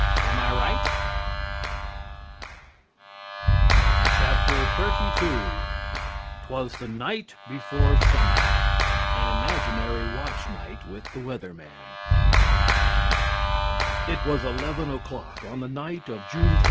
Am I right? XXXII 'TWAS THE NIGHT BEFORE SUMMER (An Imaginary Watch Night with the Weather Man) It was 11 o'clock on the night of June 20.